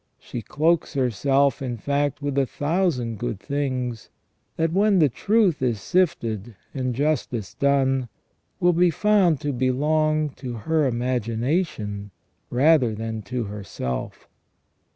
She cloaks herself, in fact, with a thousand good things, that, when the truth is sifted and justice done, will be found to belong to her imagination rather than to herself.